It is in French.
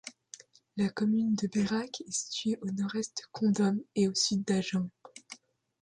La commune de Berrac est située au nord-est de Condom et au sud d'Agen.